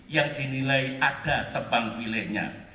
yang dinilai ada tebang pilihnya